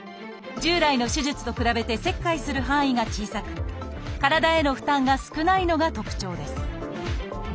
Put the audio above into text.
従来の手術と比べて切開する範囲が小さく体への負担が少ないのが特徴です